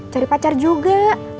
cari pacar juga